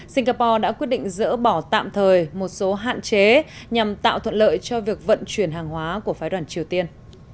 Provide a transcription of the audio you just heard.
singapore đã quyết định dỡ bỏ tạm thời một số hạn chế nhằm tạo thuận lợi cho việc vận chuyển hàng hóa của phái đoàn triều tiên